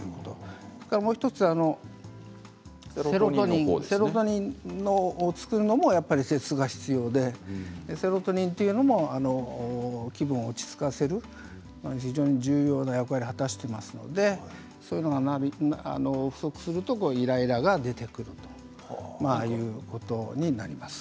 それからもう１つ、セロトニンを作るにも鉄が必要でセロトニンというのも気分を落ち着かせる非常に重要な役割を果たしていますのでそういうのが不足するとイライラが出てくるということになります。